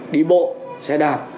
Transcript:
đi bộ xe đạp